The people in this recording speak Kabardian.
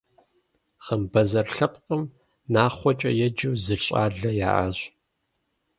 Хъымбэзэр лъэпкъым Нахъуэкӏэ еджэу зы щӏалэ яӏащ.